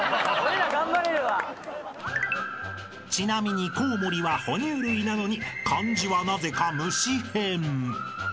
［ちなみにコウモリはほ乳類なのに漢字はなぜか虫へん］